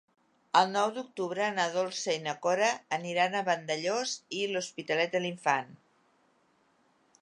El nou d'octubre na Dolça i na Cora aniran a Vandellòs i l'Hospitalet de l'Infant.